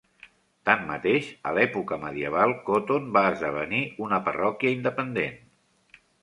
Tanmateix, a l'època medieval, Coton va esdevenir una parròquia independent.